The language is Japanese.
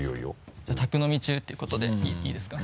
じゃあ宅飲み中っていうことでいいですかね？